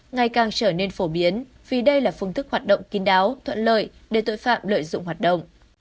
ngày càng trở nên phổ biến vì đây là phương thức hoạt động kín đáo thuận lợi để tội phạm lợi dụng hoạt động